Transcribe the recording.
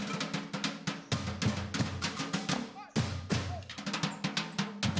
langsung jadi popis tadi